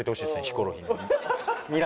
ヒコロヒーに。